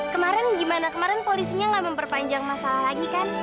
kemarin gimana kemarin polisinya nggak memperpanjang masalah lagi kan